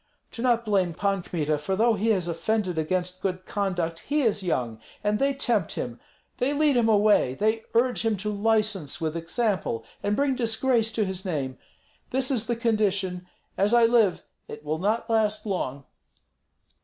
"Do not blame Pan Kmita, for though he has offended against good conduct he is young; and they tempt him, they lead him away, they urge him to license with example, and bring disgrace to his name. This is the condition; as I live, it will not last long."